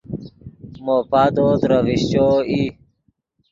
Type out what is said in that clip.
مو پادو ترے ڤیشچو ای